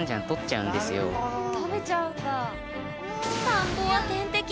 食べちゃうんだ！